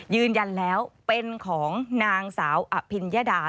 ยืนยันแล้วเป็นของนางสาวอภิญญดา